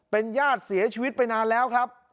เป็นญาติเสียชีวิตไปนานแล้วครับ